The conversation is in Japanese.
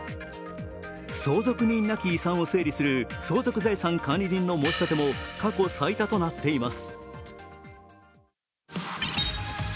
相続人なき遺産を整理する相続財産管理人の申し立ても過去最多となっています。